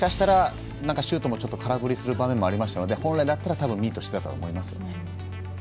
ちょっと空振りする場面もありましたので、本来であったらミートしていたと思います。